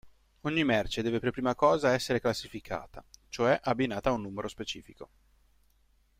Ogni merce deve per prima cosa essere "classificata", cioè abbinata a un numero specifico.